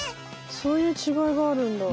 そういう違いがあるんだ。